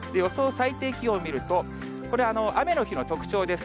最低気温を見ると、これ、雨の日の特徴です。